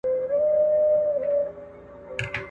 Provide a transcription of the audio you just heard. دا دریاب دی موږ ته پاته دي مزلونه !.